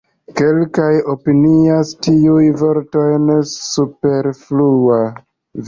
Kelkaj opinias tiun vorton superflua, vd.